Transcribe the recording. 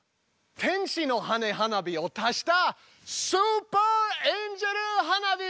天使の羽根花火を足したスーパーエンジェル花火！